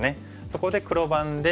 そこで黒番で。